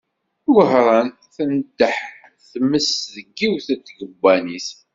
Wehran, tendeh tmes deg yiwet n tkebbanit.